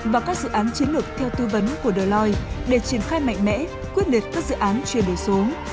và các dự án chiến lược theo tư vấn của deloi để triển khai mạnh mẽ quyết liệt các dự án chuyển đổi số